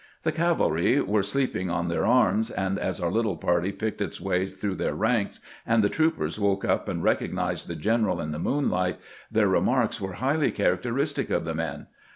The cavalry were sleeping on their arms, and as our little party picked its way through their ranks, and the troopers woke up and recognized the general in the moonlight, tbeir remarks were highly characteristic of the men.